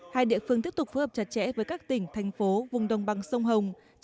hai địa phương tiếp tục phù hợp chặt chẽ với các tỉnh thành phố vùng đồng bằng sông hồng